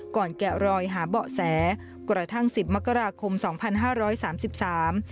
แกะรอยหาเบาะแสกระทั่งสิบมกราคมสองพันห้าร้อยสามสิบสาม